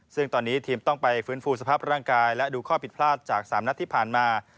ซึ่งตอนนี้ทีมต้องไปฟื้นฟูสภาพร่างกายและดูข้อผิดพลาดจาก๓นัดที่ผ่านมา